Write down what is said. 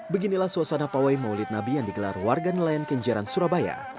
beginilah suasana pawai maulid nabi yang digelar warga nelayan kenjeran surabaya